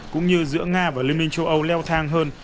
cũng như giữa nga và liên minh châu âu leo thang hơn